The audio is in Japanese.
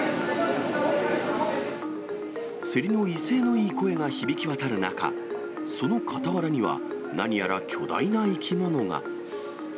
競りの威勢のいい声が響き渡る中、その傍らには、何やら巨大な生き物が。